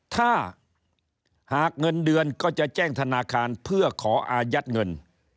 ถ้าหากเงินเดือนก็จะแจ้งธนาคารเพื่อขออายัดเงิน